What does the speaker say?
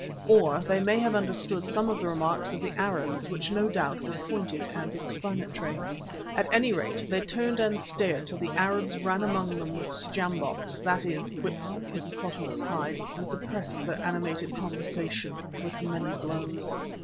Or they may have understood some of the remarks of the Arabs, which no doubt were pointed and explanatory. At any rate, they turned and stared till the Arabs ran among them with sjambocks, that is, whips of hippopotamus hide, and suppressed their animated conversation with many blows.